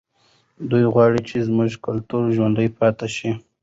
دی غواړي چې زموږ کلتور ژوندی پاتې شي.